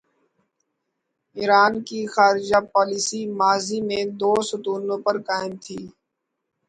ایران کی خارجہ پالیسی ماضی میں دو ستونوں پر قائم تھی۔